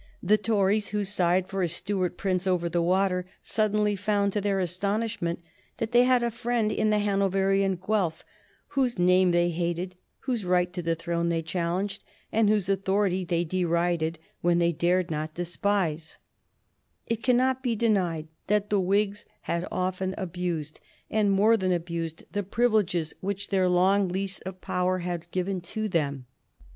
The Tories, who sighed for a Stuart prince over the water, suddenly found to their astonishment that they had a friend in the Hanoverian Guelph, whose name they hated, whose right to the throne they challenged, and whose authority they derided, when they dared not despise. [Sidenote: 1761 The corrupt methods of the Whig party] It cannot be denied that the Whigs had often abused, and more than abused, the privileges which their long lease of power had given to them.